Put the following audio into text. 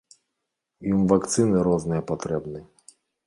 Ім вакцыны розныя патрэбныя.